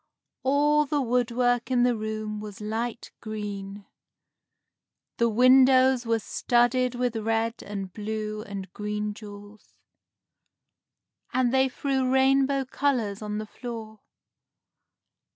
All the woodwork in the room was light green. The windows were studded with red and blue and green jewels, and they threw rainbow colors on the floor.